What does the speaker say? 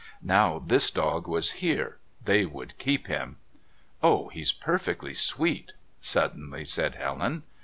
Now this dog was here; they would keep him. "Oh, he's perfectly sweet," suddenly said Helen.